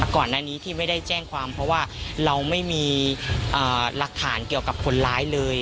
ก่อนหน้านี้ที่ไม่ได้แจ้งความเพราะว่าเราไม่มีหลักฐานเกี่ยวกับคนร้ายเลย